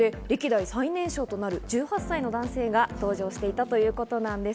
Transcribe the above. そして歴代最年少となる１８歳の男性が搭乗していたということなんです。